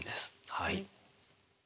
はい。